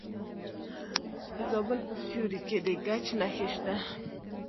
د زابل په سیوري کې د ګچ نښې شته.